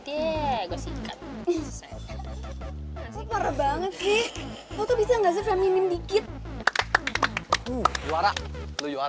temen temen gue nungguin disana